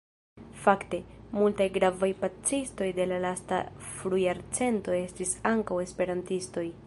Fakte, multaj gravaj pacistoj de la lasta frujarcento estis ankaŭ esperantistoj.